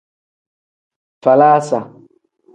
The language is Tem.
Falaasa.